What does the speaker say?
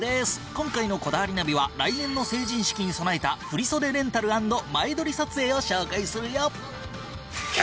今回の『こだわりナビ』は来年の成人式に備えた振袖レンタル＆前撮り撮影を紹介するよ。